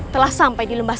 telah sampai ke gunung ini